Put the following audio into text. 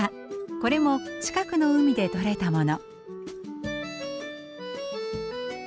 これも近くの海でとれたもの。